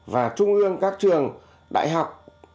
và trung ương các trường đại học